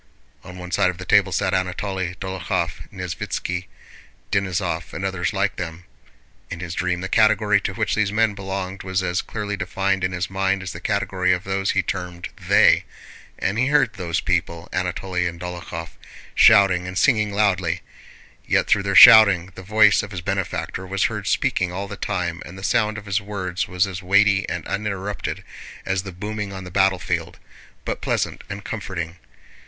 On one side of the table sat Anatole, Dólokhov, Nesvítski, Denísov, and others like them (in his dream the category to which these men belonged was as clearly defined in his mind as the category of those he termed they), and he heard those people, Anatole and Dólokhov, shouting and singing loudly; yet through their shouting the voice of his benefactor was heard speaking all the time and the sound of his words was as weighty and uninterrupted as the booming on the battlefield, but pleasant and comforting.